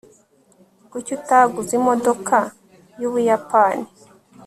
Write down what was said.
kuki utaguze imodoka yubuyapani